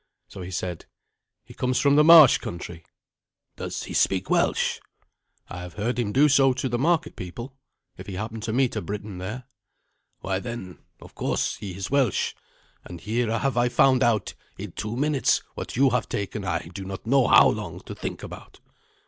So he said, "He comes from the marsh country." "Does he speak Welsh?" "I have heard him do so to the market people, if he happened to meet a Briton there." "Why, then, of course he is Welsh: and here have I found out in two minutes what you have taken I do not know how long to think about.